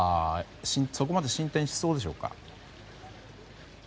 そこまで進展しそうですか。